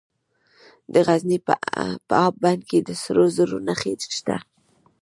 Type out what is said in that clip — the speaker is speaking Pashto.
د غزني په اب بند کې د سرو زرو نښې شته.